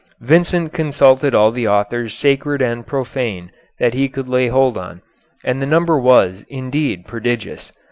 Vincent consulted all the authors sacred and profane that he could lay hold on, and the number was, indeed, prodigious.